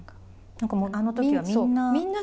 あのときはみんな。